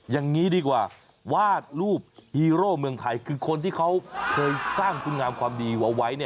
อย่างนี้ดีกว่าวาดรูปฮีโร่เมืองไทยคือคนที่เขาเคยสร้างคุณงามความดีเอาไว้